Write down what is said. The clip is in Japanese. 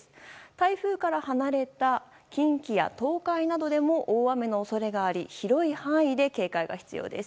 台風から離れた近畿や東海などでも大雨の恐れがあり広い範囲で警戒が必要です。